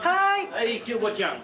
はい京子ちゃん。